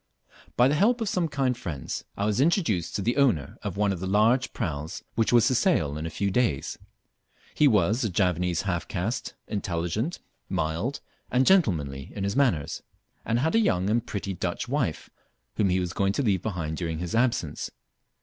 By the help of some kind friends I was introduced to the owner of one of the large praus which was to sail in a few days. He was a Javanese half caste, intelligent, mild, and gentlemanly in his manners, and had a young and pretty Dutch wife, whom he was going to leave behind during his absence.